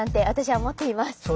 私は思っています。